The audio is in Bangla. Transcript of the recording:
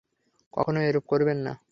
কখনো এরূপ করবেন না।